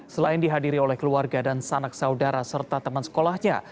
selain dihadiri oleh keluarga dan sanak saudara serta teman sekolahnya